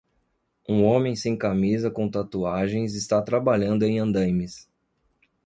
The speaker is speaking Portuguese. Um homem sem camisa com tatuagens está trabalhando em andaimes.